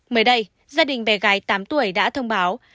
mới đây gia đình bé gái tám tuổi đã thông báo